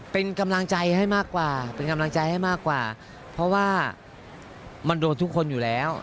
เป็นกำลังใจให้มากกว่าเพราะว่ามันโดนทุกคนอยู่แล้ว